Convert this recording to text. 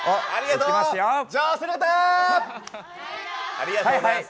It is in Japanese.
ありがとうございます。